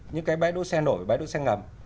những cái bãi đỗ xe nổi bãi đỗ xe ngầm